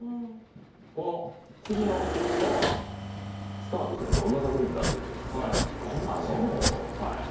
この次のスタートするのはどんな作品だ？っていう事ですよね。